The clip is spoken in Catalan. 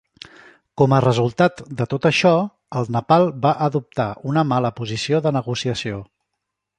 Com a resultat de tot això, el Nepal va adoptar una mala posició de negociació.